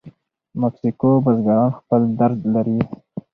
مکسیکو بزګران خپل درد لري.